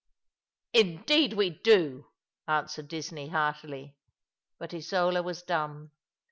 " Indeed we do," answered Disney, heartily; but Isola was dumb.